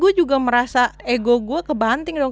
gue juga merasa ego gue kebanting dong